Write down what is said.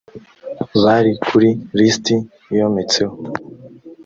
bari kuri lisiti yometseho.